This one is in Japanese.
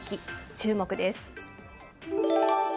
注目です。